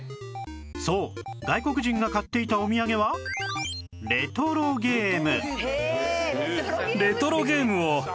そう外国人が買っていたお土産はレトロゲーム